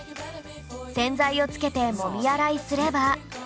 洗剤をつけてもみ洗いすれば